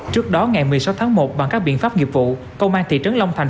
trước đó ngày một mươi sáu tháng một bằng các biện pháp nghiệp vụ công an thị trấn long thành